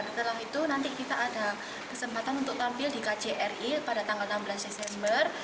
setelah itu nanti kita ada kesempatan untuk tampil di kjri pada tanggal enam belas desember